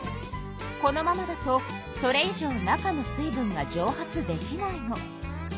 このままだとそれ以上中の水分がじょう発できないの。